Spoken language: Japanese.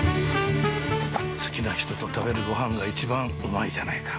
好きな人と食べるごはんが一番うまいじゃないか。